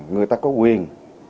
người ta có quyền